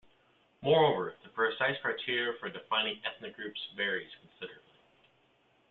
Moreover, the precise criteria for defining ethnic groups varies considerably.